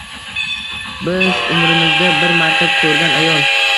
Biz umrimizda bir marta ko‘rgan ayol